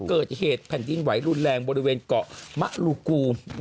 เกิดเหตุแผ่นดินไหวรุนแรงบริเวณเกาะมะลูกู